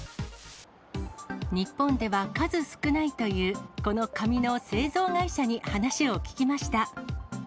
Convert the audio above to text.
日本では数少ないという、この紙の製造会社に話を聞きました。